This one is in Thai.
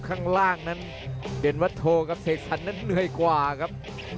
ข้างล่างนั้นเด่นวัดโทกับเสกสรรนั้นเหนื่อยกว่าครับ